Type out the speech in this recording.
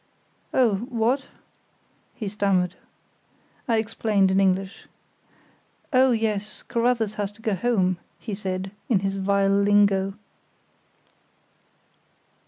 "Oh, what?" he stammered. I explained in English. "Oh, yes, Carruthers has to go home," he said, in his vile lingo.